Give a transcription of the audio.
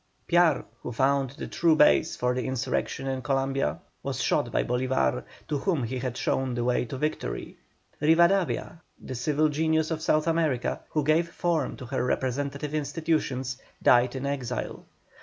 Piar, who found the true base for the insurrection in Columbia, was shot by Bolívar, to whom he had shown the way to victory. Rivadavia, the civil genius of South America, who gave form to her representative institutions, died in exile.